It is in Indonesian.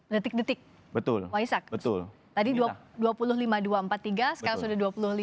detik detik betul waisak betul tadi dua puluh lima dua empat puluh tiga sekarang sudah dua puluh lima